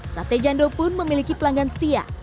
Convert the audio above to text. sate jando pun memiliki pelanggan setia